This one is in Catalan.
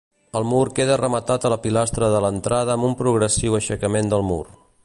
El mur queda rematat a la pilastra de l'entrada amb un progressiu aixecament del mur.